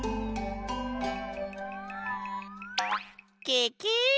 ケケ！